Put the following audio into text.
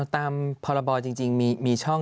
ตามพรบจริงมีช่อง